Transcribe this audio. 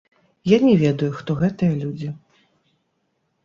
Я не ведаю, хто гэтыя людзі.